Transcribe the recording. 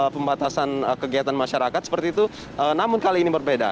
pembatasan kegiatan masyarakat seperti itu namun kali ini berbeda